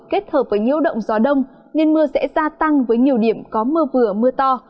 kết hợp với nhiễu động gió đông nên mưa sẽ gia tăng với nhiều điểm có mưa vừa mưa to